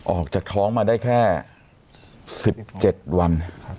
ออกจากท้องมาได้แค่๑๗วัน